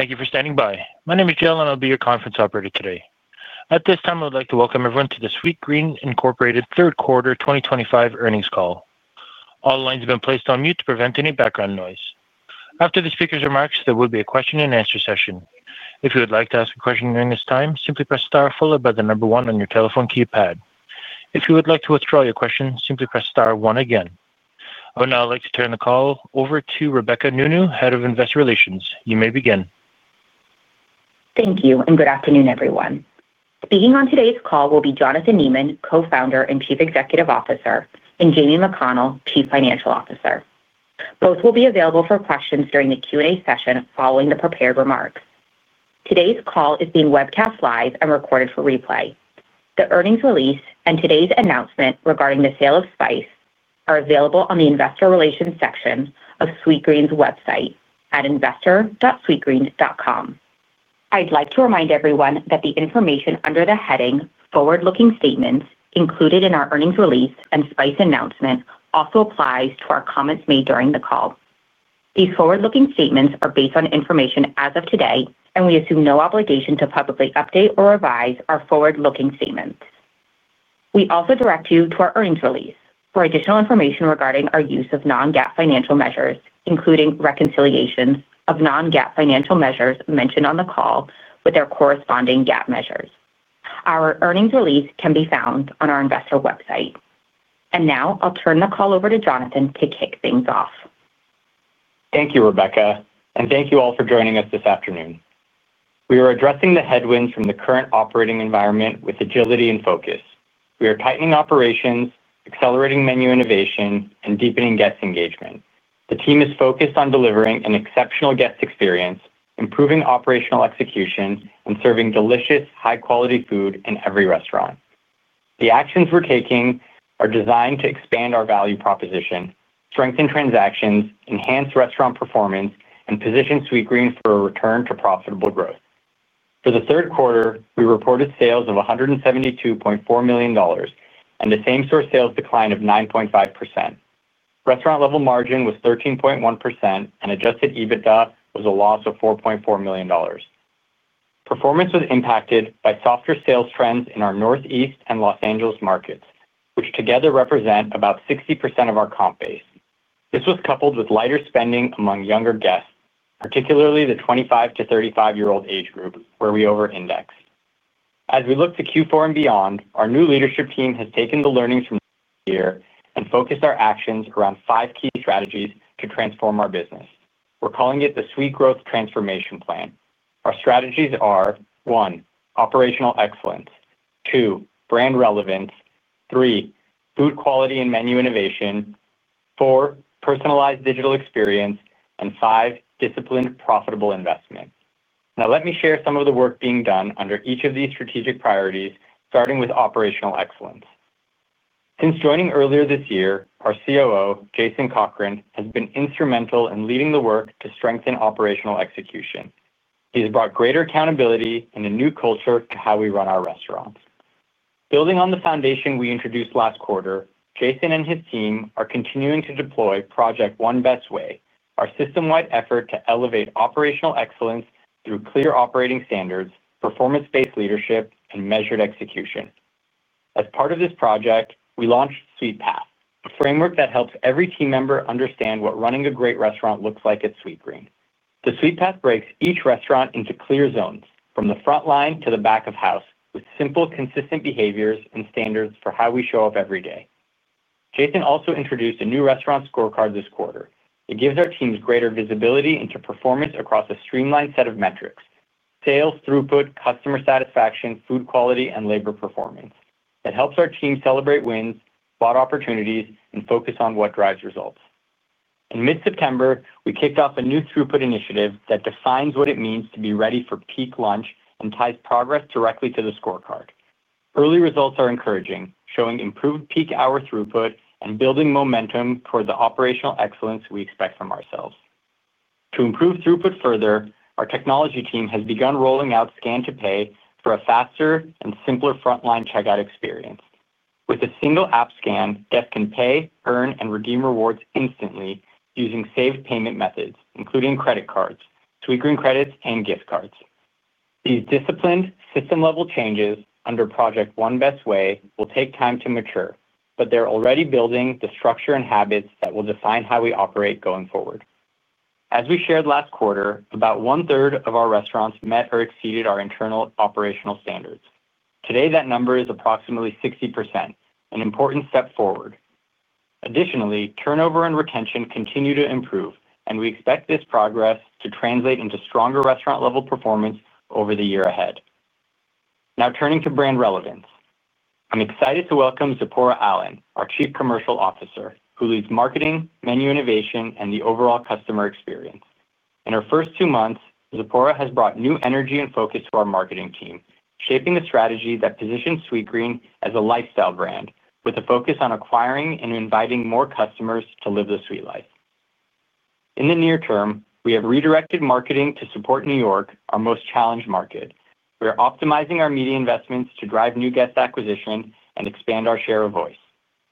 Thank you for standing by. My name is Jon, and I'll be your conference operator today. At this time, I would like to welcome everyone to the Sweetgreen Incorporated third quarter 2025 earnings call. All lines have been placed on mute to prevent any background noise. After the speaker's remarks, there will be a question-and-answer session. If you would like to ask a question during this time, simply press star followed by the number one on your telephone keypad. If you would like to withdraw your question, simply press star one again. I would now like to turn the call over to Rebecca Nounou, head of investor relations. You may begin. Thank you, and good afternoon, everyone. Speaking on today's call will be Jonathan Neman, co-founder and chief executive officer, and Jamie McConnell, chief financial officer. Both will be available for questions during the Q&A session following the prepared remarks. Today's call is being webcast live and recorded for replay. The earnings release and today's announcement regarding the sale of Spice are available on the investor relations section of Sweetgreen's website at investor.sweetgreen.com. I'd like to remind everyone that the information under the heading "Forward-looking Statements" included in our earnings release and Spice announcement also applies to our comments made during the call. These forward-looking statements are based on information as of today, and we assume no obligation to publicly update or revise our forward-looking statements. We also direct you to our earnings release for additional information regarding our use of non-GAAP financial measures, including reconciliations of non-GAAP financial measures mentioned on the call with their corresponding GAAP measures. Our earnings release can be found on our investor website. And now I'll turn the call over to Jonathan to kick things off. Thank you, Rebecca, and thank you all for joining us this afternoon. We are addressing the headwinds from the current operating environment with agility and focus. We are tightening operations, accelerating menu innovation, and deepening guest engagement. The team is focused on delivering an exceptional guest experience, improving operational execution, and serving delicious, high-quality food in every restaurant. The actions we're taking are designed to expand our value proposition, strengthen transactions, enhance restaurant performance, and position Sweetgreen for a return to profitable growth. For the third quarter, we reported sales of $172.4 million and a same-store sales decline of 9.5%. Restaurant-level margin was 13.1%, and Adjusted EBITDA was a loss of $4.4 million. Performance was impacted by softer sales trends in our Northeast and Los Angeles markets, which together represent about 60% of our comp base. This was coupled with lighter spending among younger guests, particularly the 25 to 35-year-old age group, where we over-index. As we look to Q4 and beyond, our new leadership team has taken the learnings from the year and focused our actions around five key strategies to transform our business. We're calling it the Sweet Growth Transformation Plan. Our strategies are: one, operational excellence; two, brand relevance; three, food quality and menu innovation; four, personalized digital experience; and five, disciplined, profitable investment. Now, let me share some of the work being done under each of these strategic priorities, starting with operational excellence. Since joining earlier this year, our COO, Jason Cochran, has been instrumental in leading the work to strengthen operational execution. He's brought greater accountability and a new culture to how we run our restaurants. Building on the foundation we introduced last quarter, Jason and his team are continuing to deploy Project One Best Way, our system-wide effort to elevate operational excellence through clear operating standards, performance-based leadership, and measured execution. As part of this project, we launched Sweetpath, a framework that helps every team member understand what running a great restaurant looks like at Sweetgreen. The Sweetpath breaks each restaurant into clear zones, from the front line to the back of house, with simple, consistent behaviors and standards for how we show up every day. Jason also introduced a new restaurant scorecard this quarter. It gives our teams greater visibility into performance across a streamlined set of metrics: sales, throughput, customer satisfaction, food quality, and labor performance. It helps our team celebrate wins, bought opportunities, and focus on what drives results. In mid-September, we kicked off a new throughput initiative that defines what it means to be ready for peak lunch and ties progress directly to the scorecard. Early results are encouraging, showing improved peak hour throughput and building momentum toward the operational excellence we expect from ourselves. To improve throughput further, our technology team has begun rolling out scan-to-pay for a faster and simpler frontline checkout experience. With a single app scan, guests can pay, earn, and redeem rewards instantly using saved payment methods, including credit cards, Sweetgreen credits, and gift cards. These disciplined, system-level changes under Project One Best Way will take time to mature, but they're already building the structure and habits that will define how we operate going forward. As we shared last quarter, about one-third of our restaurants met or exceeded our internal operational standards. Today, that number is approximately 60%, an important step forward. Additionally, turnover and retention continue to improve, and we expect this progress to translate into stronger restaurant-level performance over the year ahead. Now, turning to brand relevance, I'm excited to welcome Zipporah Allen, our chief commercial officer, who leads marketing, menu innovation, and the overall customer experience. In our first two months, Zipporah has brought new energy and focus to our marketing team, shaping the strategy that positions Sweetgreen as a lifestyle brand with a focus on acquiring and inviting more customers to live the sweet life. In the near term, we have redirected marketing to support New York, our most challenged market. We are optimizing our media investments to drive new guest acquisition and expand our share of voice.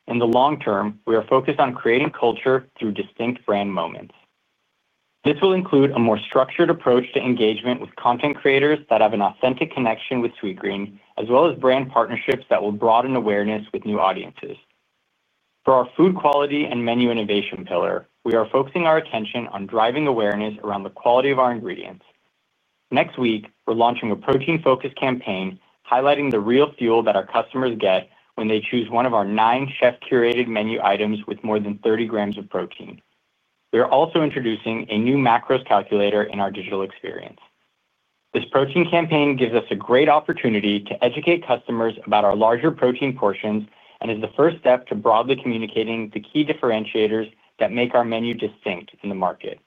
In the long term, we are focused on creating culture through distinct brand moments. This will include a more structured approach to engagement with content creators that have an authentic connection with Sweetgreen, as well as brand partnerships that will broaden awareness with new audiences. For our food quality and menu innovation pillar, we are focusing our attention on driving awareness around the quality of our ingredients. Next week, we're launching a protein-focused campaign highlighting the real fuel that our customers get when they choose one of our nine chef-curated menu items with more than 30 g of protein. We are also introducing a new macros calculator in our digital experience. This protein campaign gives us a great opportunity to educate customers about our larger protein portions and is the first step to broadly communicating the key differentiators that make our menu distinct in the market.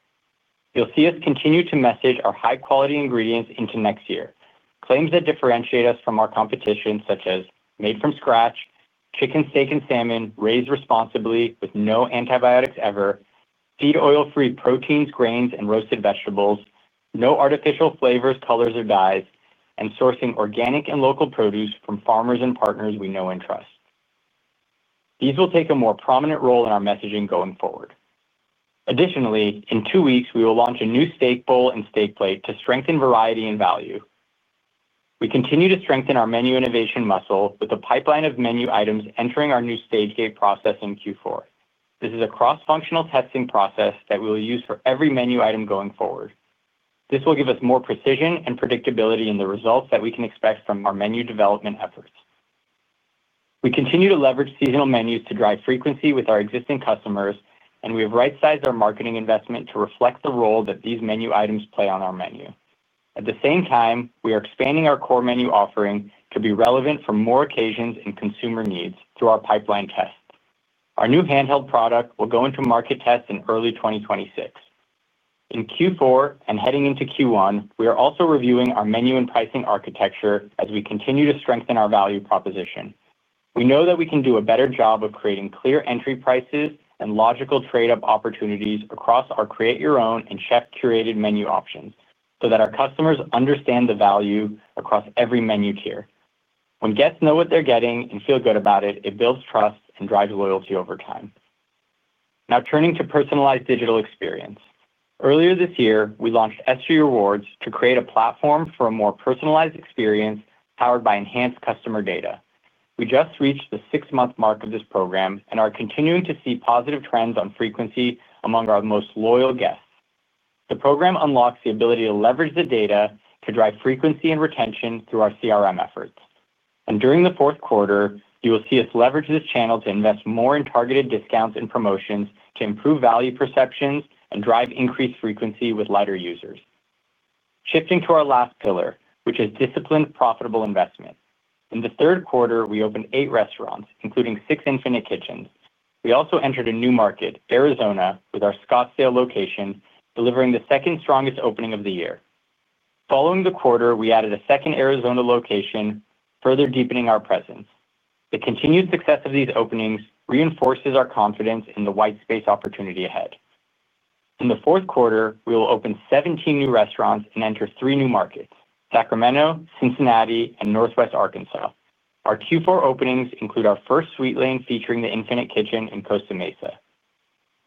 You'll see us continue to message our high-quality ingredients into next year. Claims that differentiate us from our competition, such as made from scratch, chicken, steak, and salmon raised responsibly with no antibiotics ever, feed oil-free proteins, grains, and roasted vegetables, no artificial flavors, colors, or dyes, and sourcing organic and local produce from farmers and partners we know and trust. These will take a more prominent role in our messaging going forward. Additionally, in two weeks, we will launch a new steak bowl and steak plate to strengthen variety and value. We continue to strengthen our menu innovation muscle with a pipeline of menu items entering our new staging process in Q4. This is a cross-functional testing process that we will use for every menu item going forward. This will give us more precision and predictability in the results that we can expect from our menu development efforts. We continue to leverage seasonal menus to drive frequency with our existing customers, and we have right-sized our marketing investment to reflect the role that these menu items play on our menu. At the same time, we are expanding our core menu offering to be relevant for more occasions and consumer needs through our pipeline tests. Our new handheld product will go into market tests in early 2026. In Q4 and heading into Q1, we are also reviewing our menu and pricing architecture as we continue to strengthen our value proposition. We know that we can do a better job of creating clear entry prices and logical trade-off opportunities across our create-your-own and chef-curated menu options so that our customers understand the value across every menu tier. When guests know what they're getting and feel good about it, it builds trust and drives loyalty over time. Now, turning to personalized digital experience. Earlier this year, we launched S3 Rewards to create a platform for a more personalized experience powered by enhanced customer data. We just reached the six-month mark of this program and are continuing to see positive trends on frequency among our most loyal guests. The program unlocks the ability to leverage the data to drive frequency and retention through our CRM efforts. And during the fourth quarter, you will see us leverage this channel to invest more in targeted discounts and promotions to improve value perceptions and drive increased frequency with lighter users. Shifting to our last pillar, which is disciplined, profitable investment. In the third quarter, we opened eight restaurants, including six infinite kitchens. We also entered a new market, Arizona, with our Scottsdale location, delivering the second strongest opening of the year. Following the quarter, we added a second Arizona location, further deepening our presence. The continued success of these openings reinforces our confidence in the white space opportunity ahead. In the fourth quarter, we will open 17 new restaurants and enter three new markets: Sacramento, Cincinnati, and Northwest Arkansas. Our Q4 openings include our first Sweet Lane featuring the infinite kitchen in Costa Mesa.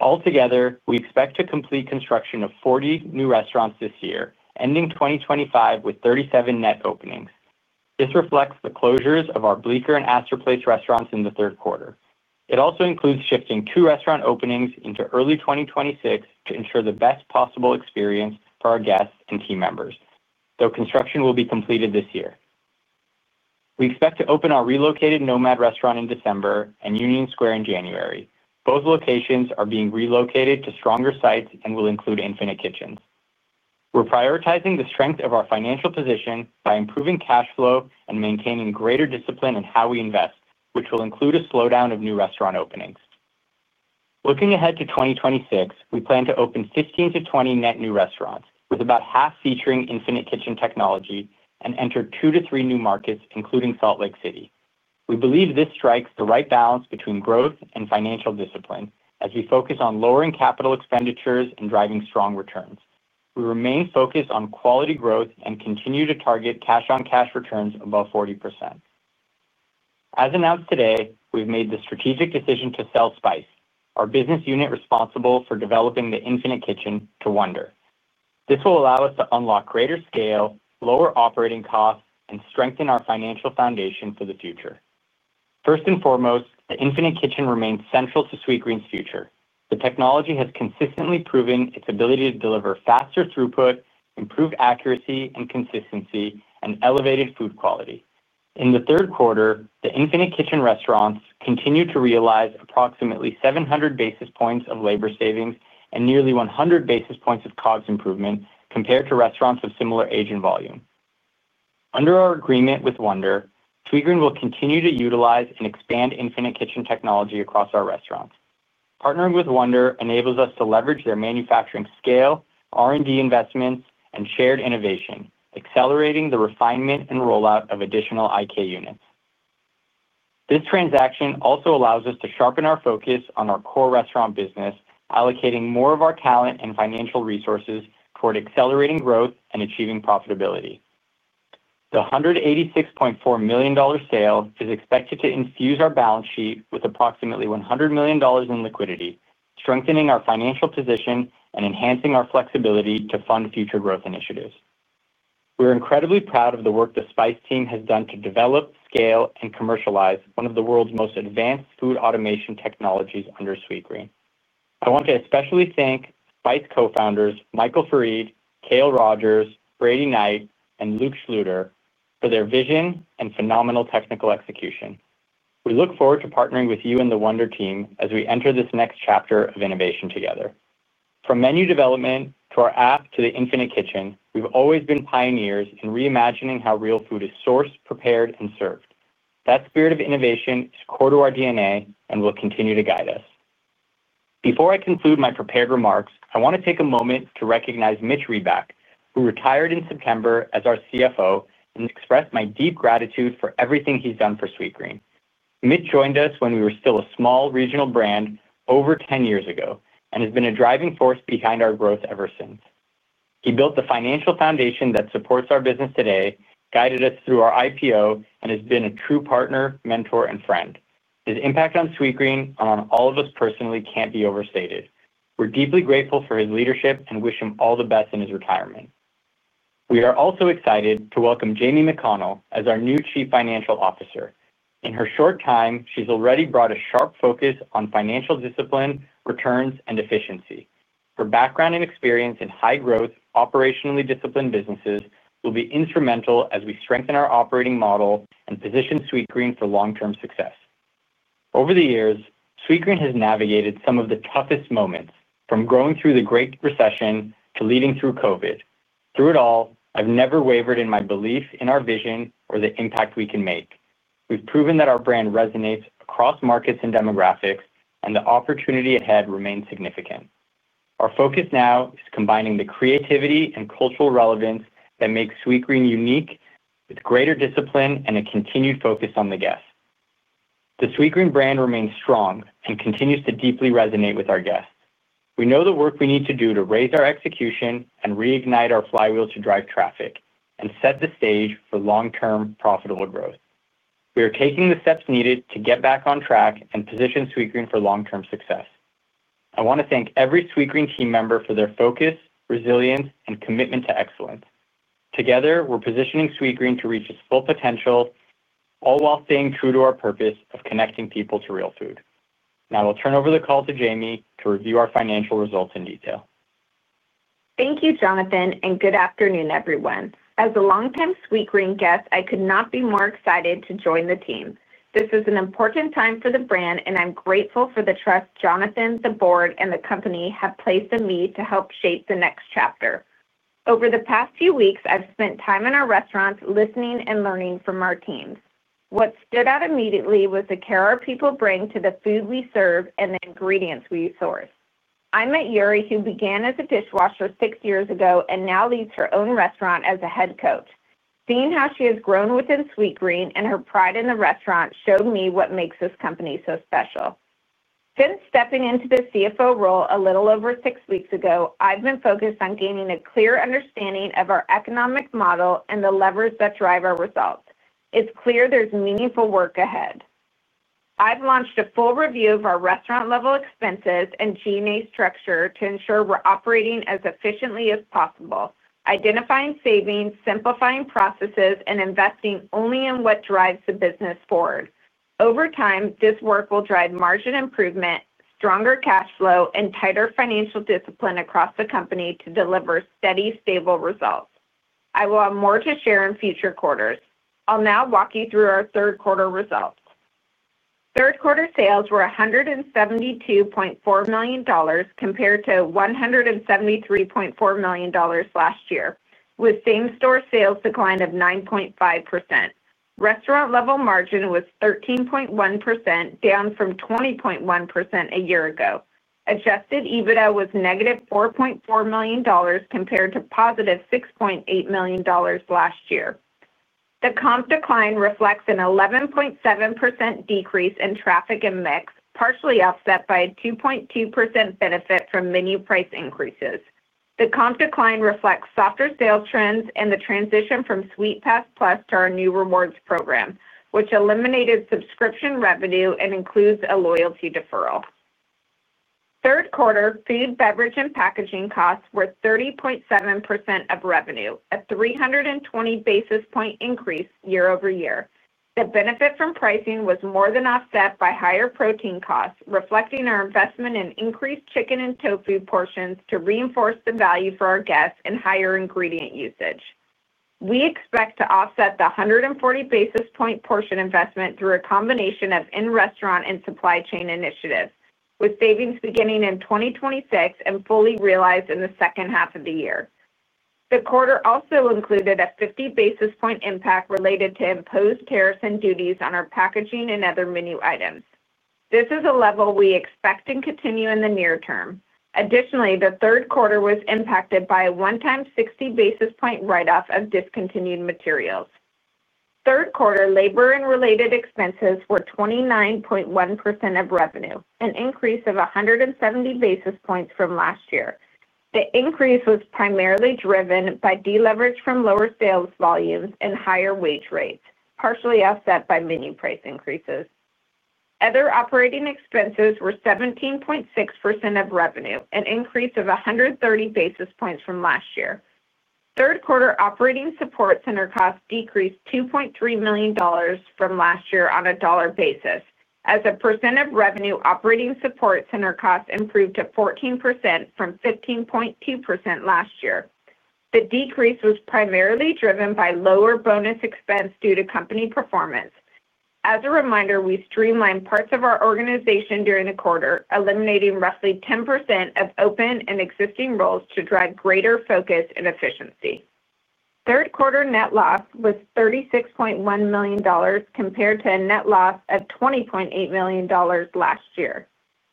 Altogether, we expect to complete construction of 40 new restaurants this year, ending 2025 with 37 net openings. This reflects the closures of our Bleeker and Aster Place restaurants in the third quarter. It also includes shifting two restaurant openings into early 2026 to ensure the best possible experience for our guests and team members, though construction will be completed this year. We expect to open our relocated Nomad restaurant in December and Union Square in January. Both locations are being relocated to stronger sites and will include infinite kitchens. We're prioritizing the strength of our financial position by improving cash flow and maintaining greater discipline in how we invest, which will include a slowdown of new restaurant openings. Looking ahead to 2026, we plan to open 15-20 net new restaurants, with about half featuring infinite kitchen technology, and enter two to three new markets, including Salt Lake City. We believe this strikes the right balance between growth and financial discipline as we focus on lowering capital expenditures and driving strong returns. We remain focused on quality growth and continue to target cash-on-cash returns above 40%. As announced today, we've made the strategic decision to sell Spice, our business unit responsible for developing the infinite kitchen, to Wonder. This will allow us to unlock greater scale, lower operating costs, and strengthen our financial foundation for the future. First and foremost, the infinite kitchen remains central to Sweetgreen's future. The technology has consistently proven its ability to deliver faster throughput, improved accuracy and consistency, and elevated food quality. In the third quarter, the infinite kitchen restaurants continue to realize approximately 700 basis points of labor savings and nearly 100 basis points of COGS improvement compared to restaurants of similar age and volume. Under our agreement with Wonder, Sweetgreen will continue to utilize and expand infinite kitchen technology across our restaurants. Partnering with Wonder enables us to leverage their manufacturing scale, R&D investments, and shared innovation, accelerating the refinement and rollout of additional IK units. This transaction also allows us to sharpen our focus on our core restaurant business, allocating more of our talent and financial resources toward accelerating growth and achieving profitability. The $186.4 million sale is expected to infuse our balance sheet with approximately $100 million in liquidity, strengthening our financial position and enhancing our flexibility to fund future growth initiatives. We're incredibly proud of the work the Spice team has done to develop, scale, and commercialize one of the world's most advanced food automation technologies under Sweetgreen. I want to especially thank Spice co-founders Michael Farid, Kale Rogers, Brady Knight, and Luke Schlueter for their vision and phenomenal technical execution. We look forward to partnering with you and the Wonder team as we enter this next chapter of innovation together. From menu development to our app to the infinite kitchen, we've always been pioneers in reimagining how real food is sourced, prepared, and served. That spirit of innovation is core to our DNA and will continue to guide us. Before I conclude my prepared remarks, I want to take a moment to recognize Mitch Reback, who retired in September as our CFO and expressed my deep gratitude for everything he's done for Sweetgreen. Mitch joined us when we were still a small regional brand over 10 years ago and has been a driving force behind our growth ever since. He built the financial foundation that supports our business today, guided us through our IPO, and has been a true partner, mentor, and friend. His impact on Sweetgreen and on all of us personally can't be overstated. We're deeply grateful for his leadership and wish him all the best in his retirement. We are also excited to welcome Jamie McConnell as our new Chief Financial Officer. In her short time, she's already brought a sharp focus on financial discipline, returns, and efficiency. Her background and experience in high-growth, operationally disciplined businesses will be instrumental as we strengthen our operating model and position Sweetgreen for long-term success. Over the years, Sweetgreen has navigated some of the toughest moments, from growing through the Great Recession to leading through COVID. Through it all, I've never wavered in my belief in our vision or the impact we can make. We've proven that our brand resonates across markets and demographics, and the opportunity ahead remains significant. Our focus now is combining the creativity and cultural relevance that make Sweetgreen unique with greater discipline and a continued focus on the guests. The Sweetgreen brand remains strong and continues to deeply resonate with our guests. We know the work we need to do to raise our execution and reignite our flywheel to drive traffic and set the stage for long-term profitable growth. We are taking the steps needed to get back on track and position Sweetgreen for long-term success. I want to thank every Sweetgreen team member for their focus, resilience, and commitment to excellence. Together, we're positioning Sweetgreen to reach its full potential. All while staying true to our purpose of connecting people to real food. Now, I'll turn over the call to Jamie to review our financial results in detail. Thank you, Jonathan, and good afternoon, everyone. As a long-time Sweetgreen guest, I could not be more excited to join the team. This is an important time for the brand, and I'm grateful for the trust Jonathan, the board, and the company have placed in me to help shape the next chapter. Over the past few weeks, I've spent time in our restaurants listening and learning from our teams. What stood out immediately was the care our people bring to the food we serve and the ingredients we source. I met Yuri, who began as a dishwasher six years ago and now leads her own restaurant as a head coach. Seeing how she has grown within Sweetgreen and her pride in the restaurant showed me what makes this company so special. Since stepping into the CFO role a little over six weeks ago, I've been focused on gaining a clear understanding of our economic model and the levers that drive our results. It's clear there's meaningful work ahead. I've launched a full review of our restaurant-level expenses and G&A structure to ensure we're operating as efficiently as possible, identifying savings, simplifying processes, and investing only in what drives the business forward. Over time, this work will drive margin improvement, stronger cash flow, and tighter financial discipline across the company to deliver steady, stable results. I will have more to share in future quarters. I'll now walk you through our third-quarter results. Third-quarter sales were $172.4 million compared to $173.4 million last year, with same-store sales declined of 9.5%. Restaurant-level margin was 13.1%, down from 20.1% a year ago. Adjusted EBITDA was -$4.4 million compared to positive $6.8 million last year. The comp decline reflects an 11.7% decrease in traffic and MIX, partially offset by a 2.2% benefit from menu price increases. The comp decline reflects softer sales trends and the transition from Sweetpass+ to our new rewards program, which eliminated subscription revenue and includes a loyalty deferral. Third quarter, food, beverage, and packaging costs were 30.7% of revenue, a 320 basis point increase year-over-year. The benefit from pricing was more than offset by higher protein costs, reflecting our investment in increased chicken and tofu portions to reinforce the value for our guests and higher ingredient usage. We expect to offset the 140 basis point portion investment through a combination of in-restaurant and supply chain initiatives, with savings beginning in 2026 and fully realized in the second half of the year. The quarter also included a 50 basis point impact related to imposed tariffs and duties on our packaging and other menu items. This is a level we expect to continue in the near term. Additionally, the third quarter was impacted by a one-time 60 basis point write-off of discontinued materials. Third quarter labor and related expenses were 29.1% of revenue, an increase of 170 basis points from last year. The increase was primarily driven by deleverage from lower sales volumes and higher wage rates, partially offset by menu price increases. Other operating expenses were 17.6% of revenue, an increase of 130 basis points from last year. Third quarter operating support center costs decreased $2.3 million from last year on a dollar basis. As a percent of revenue, operating support center costs improved to 14% from 15.2% last year. The decrease was primarily driven by lower bonus expense due to company performance. As a reminder, we streamlined parts of our organization during the quarter, eliminating roughly 10% of open and existing roles to drive greater focus and efficiency. Third quarter net loss was $36.1 million compared to a net loss of $20.8 million last year.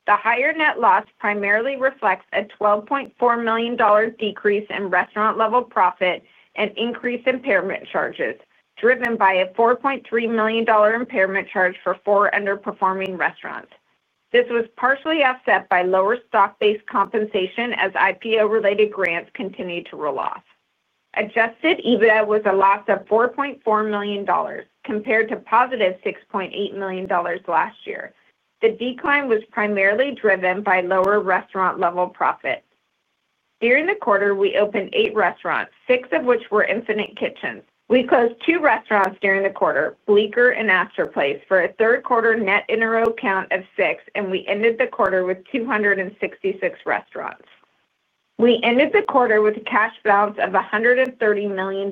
The higher net loss primarily reflects a $12.4 million decrease in restaurant-level profit and increased impairment charges, driven by a $4.3 million impairment charge for four underperforming restaurants. This was partially offset by lower stock-based compensation as IPO-related grants continued to roll off. Adjusted EBITDA was a loss of $4.4 million compared to positive $6.8 million last year. The decline was primarily driven by lower restaurant-level profits. During the quarter, we opened eight restaurants, six of which were infinite kitchens. We closed two restaurants during the quarter, Bleeker and Aster Place, for a third-quarter net interim count of six, and we ended the quarter with 266 restaurants. We ended the quarter with a cash balance of $130 million.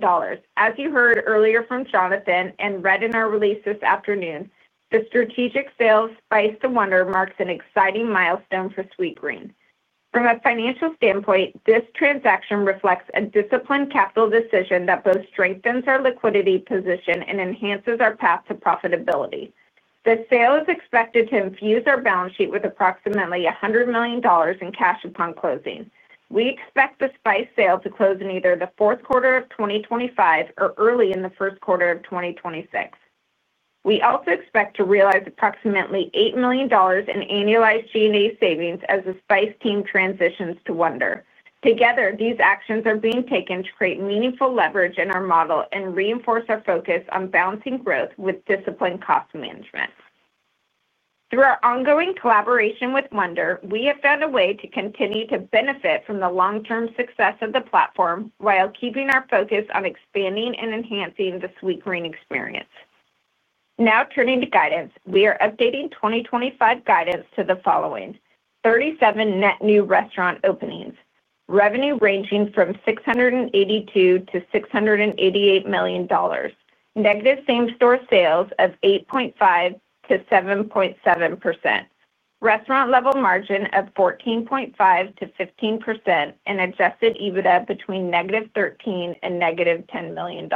As you heard earlier from Jonathan and read in our release this afternoon, the strategic sales of Spice to Wonder marks an exciting milestone for Sweetgreen. From a financial standpoint, this transaction reflects a disciplined capital decision that both strengthens our liquidity position and enhances our path to profitability. The sale is expected to infuse our balance sheet with approximately $100 million in cash upon closing. We expect the Spice sale to close in either the fourth quarter of 2025 or early in the first quarter of 2026. We also expect to realize approximately $8 million in annualized G&A savings as the Spice team transitions to Wonder. Together, these actions are being taken to create meaningful leverage in our model and reinforce our focus on balancing growth with disciplined cost management. Through our ongoing collaboration with Wonder, we have found a way to continue to benefit from the long-term success of the platform while keeping our focus on expanding and enhancing the Sweetgreen experience. Now, turning to guidance, we are updating 2025 guidance to the following: 37 net new restaurant openings, revenue ranging from $682 to $688 million, negative same-store sales of 8.5%-7.7%, restaurant-level margin of 14.5%-15%, and adjusted EBITDA between -$13 and -$10 million.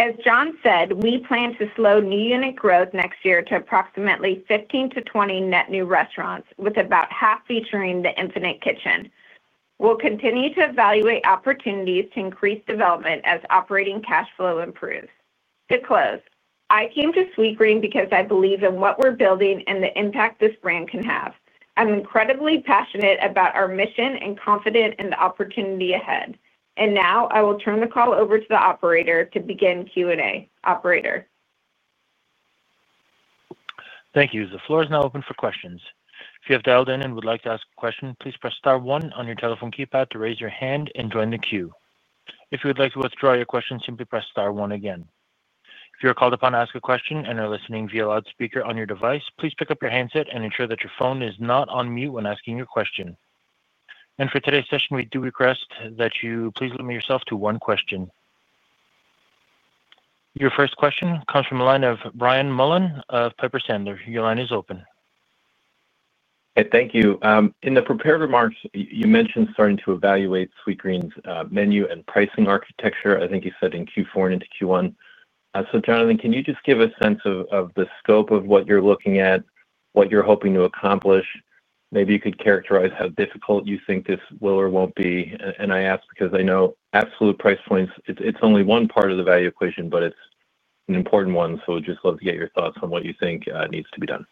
As Jon said, we plan to slow new unit growth next year to approximately 15-20 net new restaurants, with about half featuring the infinite kitchen. We'll continue to evaluate opportunities to increase development as operating cash flow improves. To close, I came to Sweetgreen because I believe in what we're building and the impact this brand can have. I'm incredibly passionate about our mission and confident in the opportunity ahead. And now, I will turn the call over to the operator to begin Q&A. Operator. Thank you. The floor is now open for questions. If you have dialed in and would like to ask a question, please press star one on your telephone keypad to raise your hand and join the queue. If you would like to withdraw your question, simply press star one again. If you are called upon to ask a question and are listening via loudspeaker on your device, please pick up your handset and ensure that your phone is not on mute when asking your question. And for today's session, we do request that you please limit yourself to one question. Your first question comes from a line of Brian Mullen of Piper Sandler. Your line is open. Okay. Thank you. In the prepared remarks, you mentioned starting to evaluate Sweetgreen's menu and pricing architecture, I think you said, in Q4 and into Q1. So, Jonathan, can you just give a sense of the scope of what you're looking at, what you're hoping to accomplish? Maybe you could characterize how difficult you think this will or won't be. And I ask because I know absolute price points, it's only one part of the value equation, but it's an important one. So we'd just love to get your thoughts on what you think needs to be done.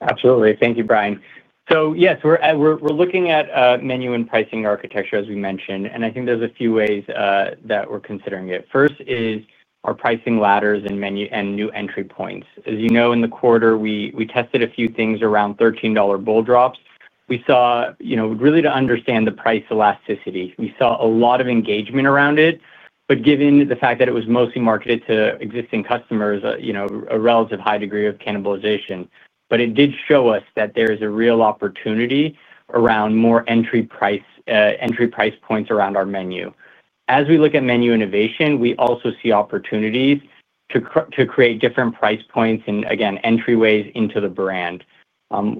Absolutely. Thank you, Brian. So, yes, we're looking at menu and pricing architecture, as we mentioned. And I think there's a few ways that we're considering it. First is our pricing ladders and new entry points. As you know, in the quarter, we tested a few things around $13 bowl drops. We saw, really, to understand the price elasticity. We saw a lot of engagement around it, but given the fact that it was mostly marketed to existing customers, a relative high degree of cannibalization. But it did show us that there is a real opportunity around more entry price points around our menu. As we look at menu innovation, we also see opportunities to create different price points and, again, entryways into the brand.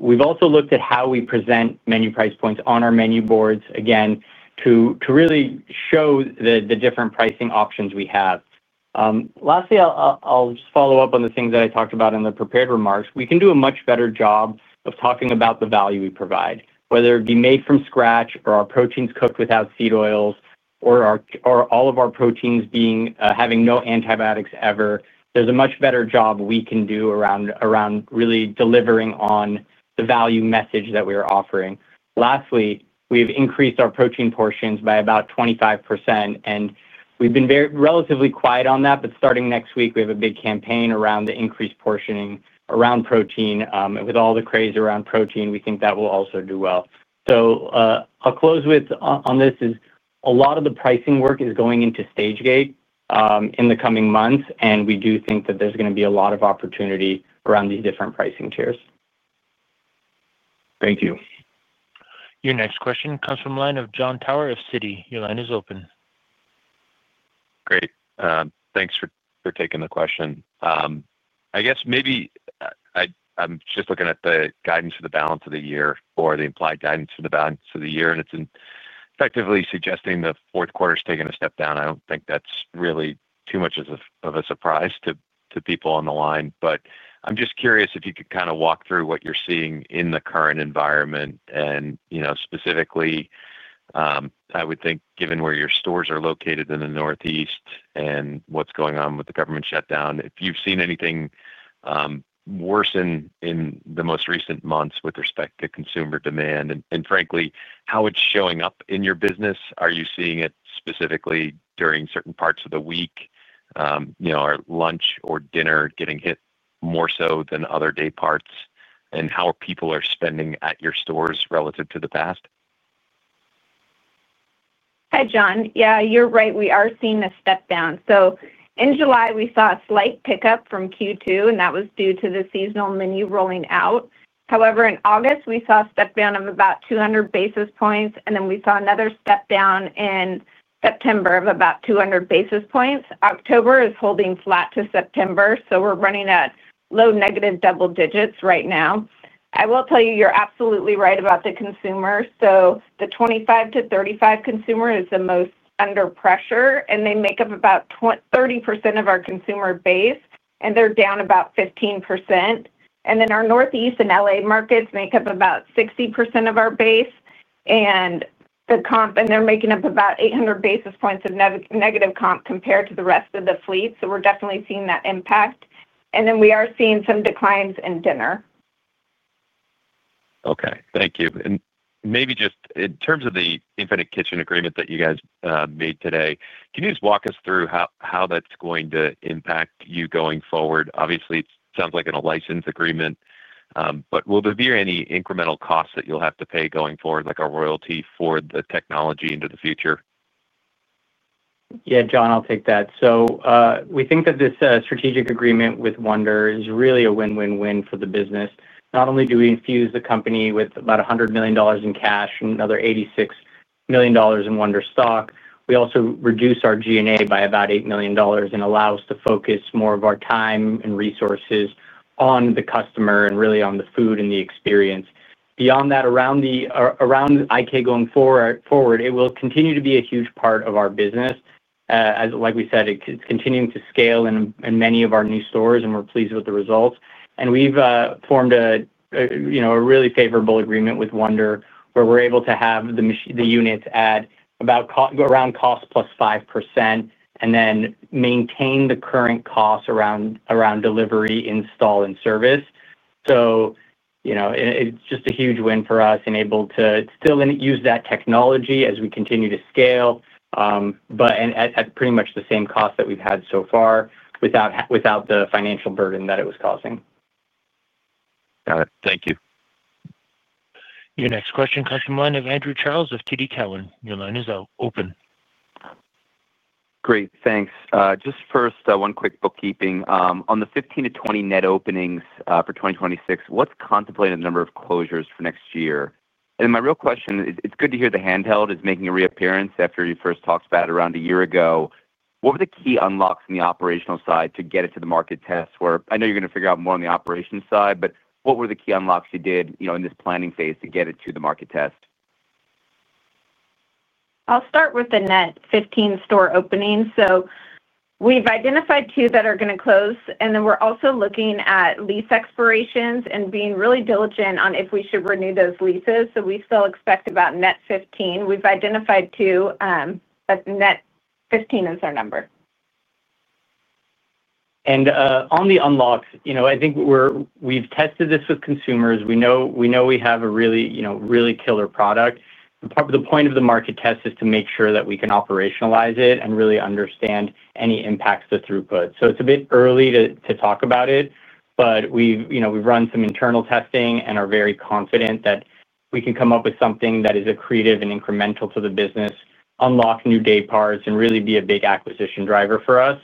We've also looked at how we present menu price points on our menu boards, again, to really show the different pricing options we have. Lastly, I'll just follow up on the things that I talked about in the prepared remarks. We can do a much better job of talking about the value we provide, whether it be made from scratch or our proteins cooked without seed oils or all of our proteins having no antibiotics ever. There's a much better job we can do around really delivering on the value message that we are offering. Lastly, we have increased our protein portions by about 25%. And we've been relatively quiet on that, but starting next week, we have a big campaign around the increased portioning around protein. And with all the craze around protein, we think that will also do well. So I'll close with, on this, a lot of the pricing work is going into SageGate in the coming months, and we do think that there's going to be a lot of opportunity around these different pricing tiers. Thank you. Your next question comes from a line of Jon Tower of Citi. Your line is open. Great. Thanks for taking the question. I guess maybe. I'm just looking at the guidance for the balance of the year or the implied guidance for the balance of the year, and it's effectively suggesting the fourth quarter is taking a step down. I don't think that's really too much of a surprise to people on the line. But I'm just curious if you could kind of walk through what you're seeing in the current environment. And specifically, I would think, given where your stores are located in the Northeast and what's going on with the government shutdown, if you've seen anything. Worse in the most recent months with respect to consumer demand. And frankly, how it's showing up in your business? Are you seeing it specifically during certain parts of the week. Or lunch or dinner getting hit more so than other day parts, and how people are spending at your stores relative to the past? Hi, Jon. Yeah, you're right. We are seeing a step down. So in July, we saw a slight pickup from Q2, and that was due to the seasonal menu rolling out. However, in August, we saw a step down of about 200 basis points, and then we saw another step down in September of about 200 basis points. October is holding flat to September, so we're running at low negative double digits right now. I will tell you, you're absolutely right about the consumer. So the 25-35 consumer is the most under pressure, and they make up about 30% of our consumer base, and they're down about 15%. And then our Northeast and LA markets make up about 60% of our base, and they're making up about 800 basis points of negative comp compared to the rest of the fleet. So we're definitely seeing that impact. And then we are seeing some declines in dinner. Okay. Thank you. And maybe just in terms of the infinite kitchen agreement that you guys made today, can you just walk us through how that's going to impact you going forward? Obviously, it sounds like in a license agreement. But will there be any incremental costs that you'll have to pay going forward, like a royalty for the technology into the future? Yeah, Jon, I'll take that. So we think that this strategic agreement with Wonder is really a win-win-win for the business. Not only do we infuse the company with about $100 million in cash and another $86 million in Wonder stock, we also reduce our G&A by about $8 million and allow us to focus more of our time and resources on the customer and really on the food and the experience. Beyond that, around IK going forward, it will continue to be a huge part of our business. Like we said, it's continuing to scale in many of our new stores, and we're pleased with the results. And we've formed. A really favorable agreement with Wonder where we're able to have the units add about around cost +5% and then maintain the current costs around delivery, install, and service. So. It's just a huge win for us and able to still use that technology as we continue to scale. But at pretty much the same cost that we've had so far without the financial burden that it was causing. Got it. Thank you. Your next question comes from a line of Andrew Charles of TD Cowen. Your line is open. Great. Thanks. Just first, one quick bookkeeping. On the 15-20 net openings for 2026, what's contemplated number of closures for next year? And my real question is, it's good to hear the handheld is making a reappearance after you first talked about it around a year ago. What were the key unlocks in the operational side to get it to the market test? I know you're going to figure out more on the operational side, but what were the key unlocks you did in this planning phase to get it to the market test? I'll start with the net 15 store openings. So we've identified two that are going to close, and then we're also looking at lease expirations and being really diligent on if we should renew those leases. So we still expect about net 15. We've identified two, but net 15 is our number. And on the unlocks, I think we've tested this with consumers. We know we have a really, really killer product. The point of the market test is to make sure that we can operationalize it and really understand any impacts to throughput. So it's a bit early to talk about it, but we've run some internal testing and are very confident that we can come up with something that is accretive and incremental to the business, unlock new day parts, and really be a big acquisition driver for us.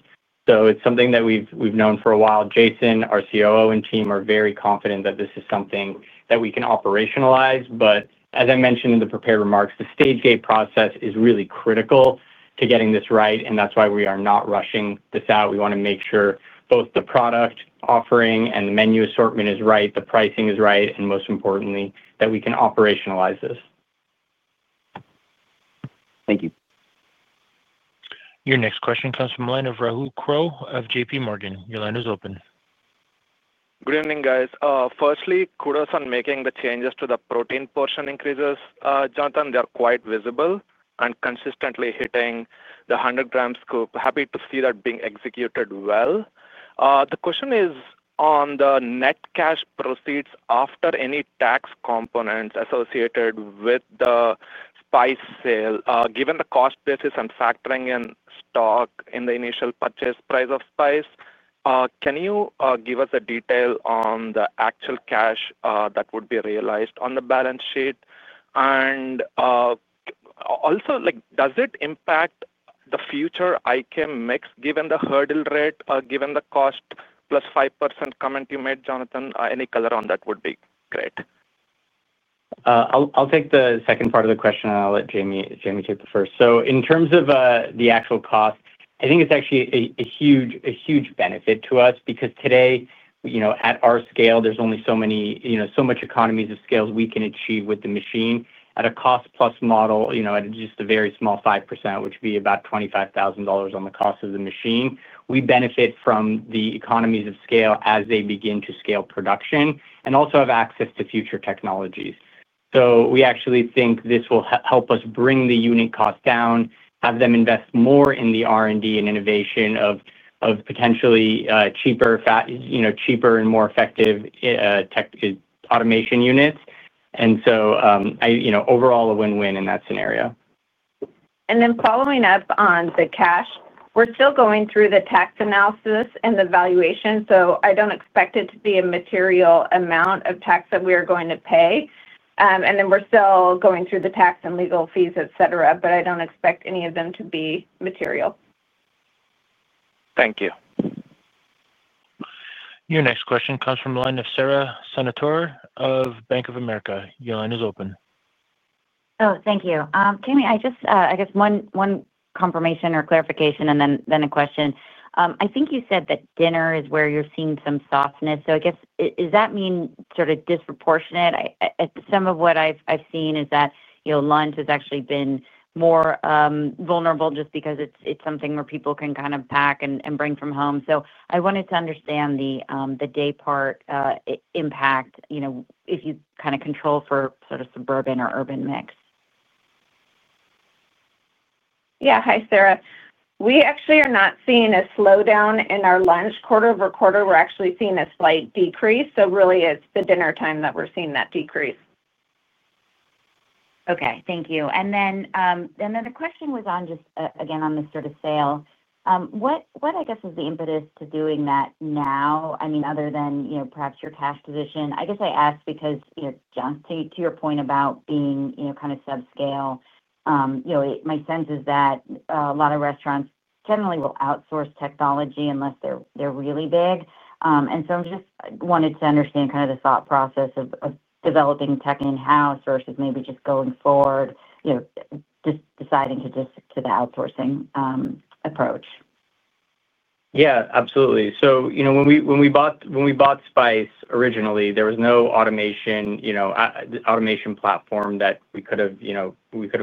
So it's something that we've known for a while. Jason, our COO and team, are very confident that this is something that we can operationalize. But as I mentioned in the prepared remarks, the SageGate process is really critical to getting this right, and that's why we are not rushing this out. We want to make sure both the product offering and the menu assortment is right, the pricing is right, and most importantly, that we can operationalize this. Thank you. Your next question comes from a line of Rahul Agarwal of JPMorgan. Your line is open. Good evening, guys. Firstly, kudos on making the changes to the protein portion increases, Jonathan. They are quite visible and consistently hitting the 100 g scope. Happy to see that being executed well. The question is, on the net cash proceeds after any tax components associated with the. Spice sale, given the cost basis and factoring in stock in the initial purchase price of spice, can you give us a detail on the actual cash that would be realized on the balance sheet? And. Also, does it impact the future IK mix given the hurdle rate, given the cost +5% comment you made, Jonathan? Any color on that would be great. I'll take the second part of the question, and I'll let Jamie take the first. So in terms of the actual cost, I think it's actually a huge benefit to us because today, at our scale, there's only so many. So much economies of scale we can achieve with the machine. At a cost-plus model, at just a very small 5%, which would be about $25,000 on the cost of the machine, we benefit from the economies of scale as they begin to scale production and also have access to future technologies. So we actually think this will help us bring the unit cost down, have them invest more in the R&D and innovation of potentially cheaper. And more effective. Automation units. And so. Overall, a win-win in that scenario. And then following up on the cash, we're still going through the tax analysis and the valuation. So I don't expect it to be a material amount of tax that we are going to pay. And then we're still going through the tax and legal fees, etc., but I don't expect any of them to be material. Thank you. Your next question comes from a line of Sara Senatore of Bank of America. Your line is open. Oh, thank you. Jamie, I guess one confirmation or clarification and then a question. I think you said that dinner is where you're seeing some softness. So I guess, does that mean sort of disproportionate? Some of what I've seen is that lunch has actually been more vulnerable just because it's something where people can kind of pack and bring from home. So I wanted to understand the day part. Impact if you kind of control for sort of suburban or urban mix. Yeah. Hi, Sarah. We actually are not seeing a slowdown in our lunch quarter over quarter. We're actually seeing a slight decrease. So really, it's the dinner time that we're seeing that decrease. Okay. Thank you. And then the question was on, again, on the sort of sale. What, I guess, is the impetus to doing that now? I mean, other than perhaps your cash position, I guess I ask because. To your point about being kind of subscale. My sense is that a lot of restaurants generally will outsource technology unless they're really big. And so I just wanted to understand kind of the thought process of developing tech in-house versus maybe just going forward. Just deciding to just to the outsourcing approach. Yeah, absolutely. So when we bought spice originally, there was no automation. Platform that we could have.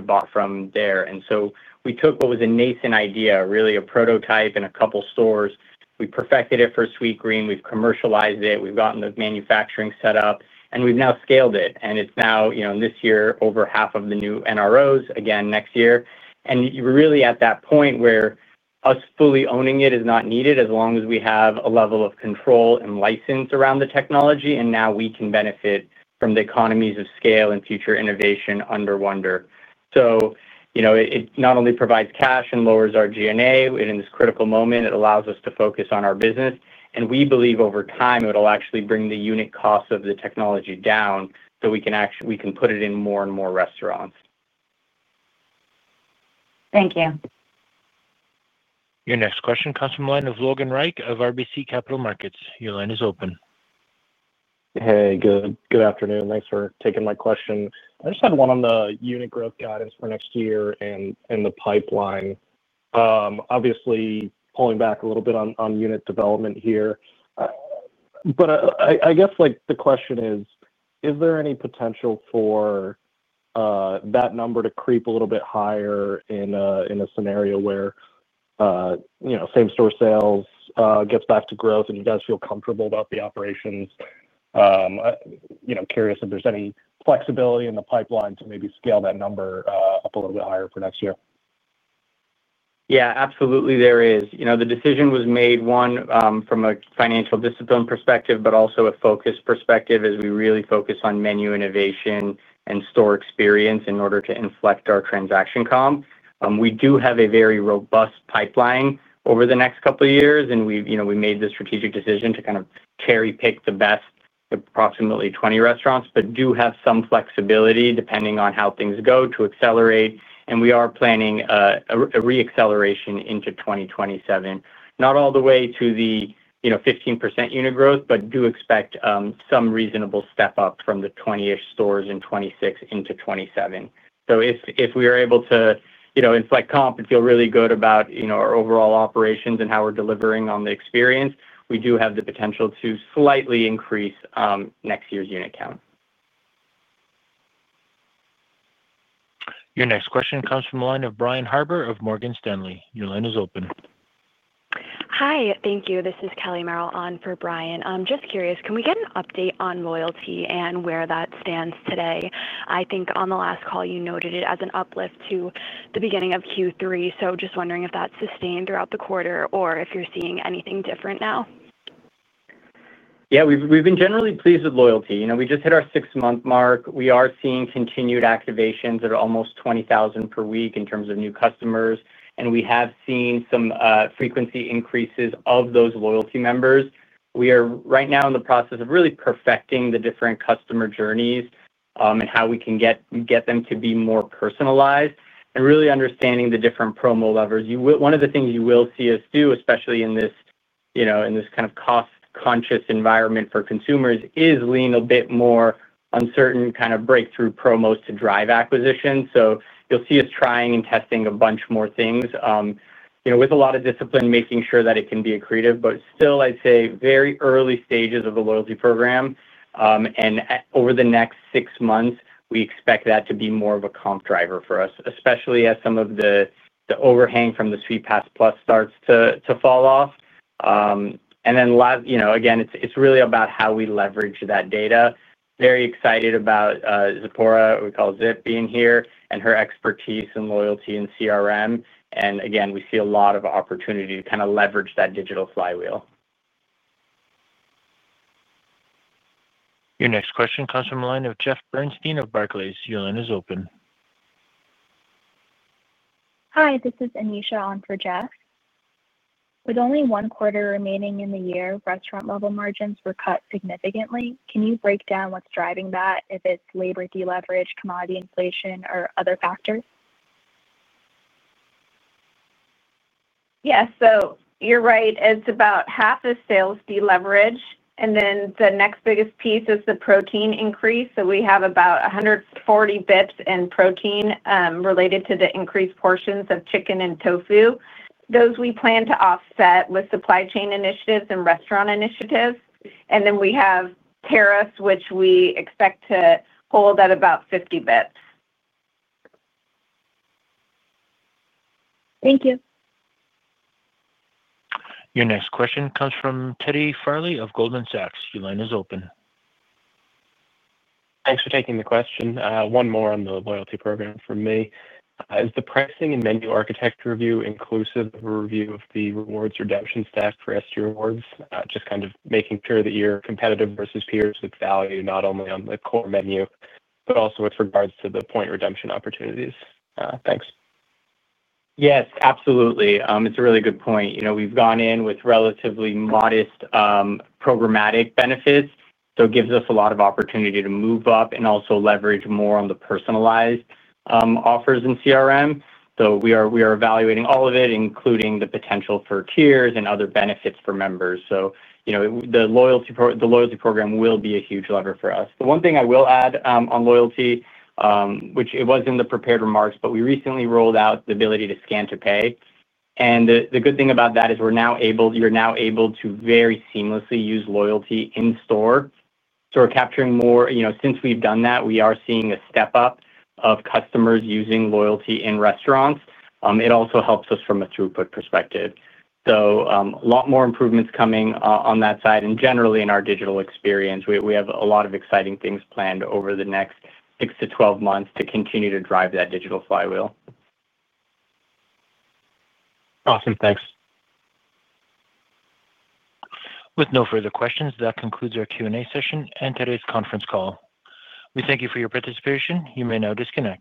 Bought from there. And so we took what was a nascent idea, really a prototype in a couple of stores. We perfected it for Sweetgreen. We've commercialized it. We've gotten the manufacturing set up, and we've now scaled it. And it's now, this year, over half of the new NROs, again, next year. And we're really at that point where us fully owning it is not needed as long as we have a level of control and license around the technology. And now we can benefit from the economies of scale and future innovation under Wonder. So. It not only provides cash and lowers our G&A in this critical moment, it allows us to focus on our business. And we believe over time, it'll actually bring the unit cost of the technology down so we can put it in more and more restaurants. Thank you. Your next question comes from a line of Logan Reich of RBC Capital Markets. Your line is open. Hey, good. Good afternoon. Thanks for taking my question. I just had one on the unit growth guidance for next year and the pipeline. Obviously, pulling back a little bit on unit development here. But I guess the question is, is there any potential for. That number to creep a little bit higher in a scenario where. Same-store sales gets back to growth and you guys feel comfortable about the operations? Curious if there's any flexibility in the pipeline to maybe scale that number up a little bit higher for next year. Yeah, absolutely, there is. The decision was made one from a financial discipline perspective, but also a focus perspective as we really focus on menu innovation and store experience in order to inflect our transaction comp. We do have a very robust pipeline over the next couple of years, and we made the strategic decision to kind of cherry-pick the best. Approximately 20 restaurants, but do have some flexibility depending on how things go to accelerate. And we are planning a re-acceleration into 2027. Not all the way to the. 15% unit growth, but do expect some reasonable step up from the 20-ish stores in 2026 into 2027. So if we are able to. Inflect comp and feel really good about our overall operations and how we're delivering on the experience, we do have the potential to slightly increase next year's unit count. Your next question comes from a line of Brian Harbor of Morgan Stanley. Your line is open. Hi, thank you. This is Kelly Merrill on for Brian. I'm just curious, can we get an update on loyalty and where that stands today? I think on the last call, you noted it as an uplift to the beginning of Q3. So just wondering if that's sustained throughout the quarter or if you're seeing anything different now. Yeah, we've been generally pleased with loyalty. We just hit our six-month mark. We are seeing continued activations that are almost 20,000 per week in terms of new customers. And we have seen some frequency increases of those loyalty members. We are right now in the process of really perfecting the different customer journeys and how we can get them to be more personalized and really understanding the different promo levers. One of the things you will see us do, especially in this. Kind of cost-conscious environment for consumers, is lean a bit more uncertain kind of breakthrough promos to drive acquisition. So you'll see us trying and testing a bunch more things. With a lot of discipline, making sure that it can be accretive. But still, I'd say very early stages of the loyalty program. And over the next six months, we expect that to be more of a comp driver for us, especially as some of the overhang from the Sweetpass+ starts to fall off. And then again, it's really about how we leverage that data. Very excited about Zipporah, we call Zip, being here and her expertise and loyalty in CRM. And again, we see a lot of opportunity to kind of leverage that digital flywheel. Your next question comes from a line of Jeff Bernstein of Barclays. Your line is open. Hi, this is Anisha on for Jeff. With only one quarter remaining in the year, restaurant-level margins were cut significantly. Can you break down what's driving that, if it's labor deleverage, commodity inflation, or other factors? Yeah. So you're right. It's about half of sales deleverage. And then the next biggest piece is the protein increase. So we have about 140 bits in protein related to the increased portions of chicken and tofu. Those we plan to offset with supply chain initiatives and restaurant initiatives. And then we have tariffs, which we expect to hold at about 50 bits. Thank you. Your next question comes from Teddy Farley of Goldman Sachs. Your line is open. Thanks for taking the question. One more on the loyalty program for me. Is the pricing and menu architecture review inclusive of a review of the rewards redemption stack for ST rewards? Just kind of making sure that you're competitive versus peers with value, not only on the core menu, but also with regards to the point redemption opportunities. Thanks. Yes, absolutely. It's a really good point. We've gone in with relatively modest. Programmatic benefits. So it gives us a lot of opportunity to move up and also leverage more on the personalized offers in CRM. So we are evaluating all of it, including the potential for tiers and other benefits for members. So. The loyalty program will be a huge lever for us. The one thing I will add on loyalty. Which it was in the prepared remarks, but we recently rolled out the ability to scan to pay. And the good thing about that is you're now able to very seamlessly use loyalty in store. So we're capturing more since we've done that, we are seeing a step up of customers using loyalty in restaurants. It also helps us from a throughput perspective. So a lot more improvements coming on that side. And generally, in our digital experience, we have a lot of exciting things planned over the next six to 12 months to continue to drive that digital flywheel. Awesome. Thanks. With no further questions, that concludes our Q&A session and today's conference call. We thank you for your participation. You may now disconnect.